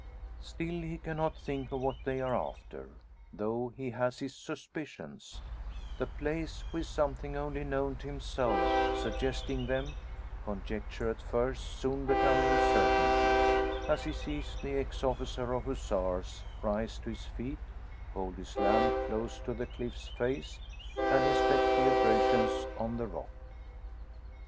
Still he cannot think of what they are after, though he has his suspicions; the place, with something only known to himself, suggesting them conjecture at first soon becoming certainty, as he sees the ex officer of Hussars rise to his feet, hold his lamp close to the cliff's face, and inspect the abrasions on the rock!